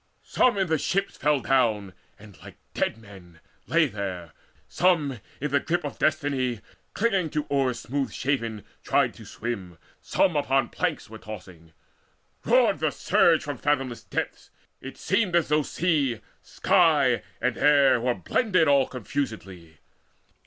Some in the ships fell down, and like dead men Lay there; some, in the grip of destiny, Clinging to oars smooth shaven, tried to swim; Some upon planks were tossing. Roared the surge From fathomless depths: it seemed as though sea, sky, And land were blended all confusedly.